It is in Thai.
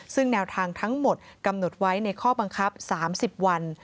ซึ่งแนวทางทั้งหมดกำหนดไว้ในข้อบังคับ๓๐วัน